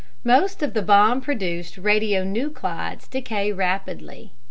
Most of the bomb produced radionuclides decay rapidly.